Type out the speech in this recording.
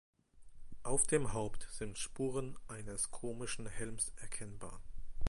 Auf dem Haupt sind Spuren eines konischen Helms erkennbar.